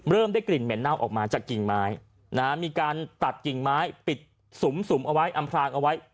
ได้กลิ่นเหม็นเน่าออกมาจากกิ่งไม้นะฮะมีการตัดกิ่งไม้ปิดสุมเอาไว้อำพลางเอาไว้